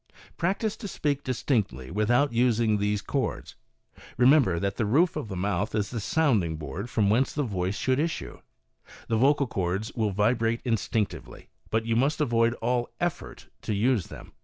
Practice to speak distinctly without using these chords. Remember that the roof of the mouth is the sounding board from whence the voice should issue. The vocal chords will vibrate instinctively, but you must avoid all effort to use them.